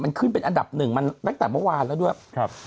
มันขึ้นเป็นอันดับหนึ่งมันตั้งแต่เมื่อวานแล้วด้วยครับ